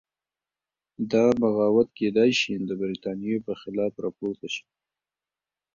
دا بغاوت کېدای شي د برتانیې په خلاف راپورته شي.